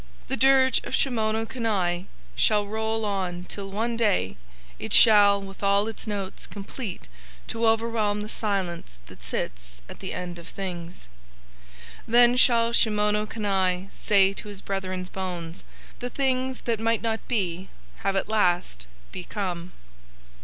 "The dirge of Shimono Kani shall roll on till one day it shall come with all its notes complete to overwhelm the Silence that sits at the End of Things. Then shall Shimono Kani say to his brethren's bones: The things that might not be have at last become.